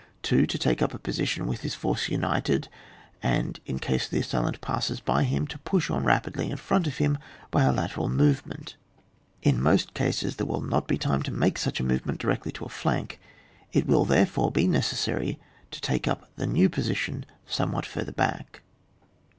2. To take up a position with his force united, and in case the assailant peusses by him, to push on rapidly in front of him by a lateral movement In most cases Ihere will not be time to make such a movement directly to a flank, it will therefore be necessary to take up the new position somewhat further back.